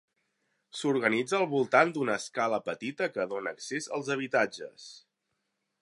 S'organitza al voltant d'una escala petita que dóna accés als habitatges.